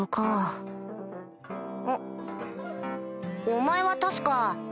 お前は確か。